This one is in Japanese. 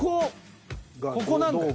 ここなんだよ。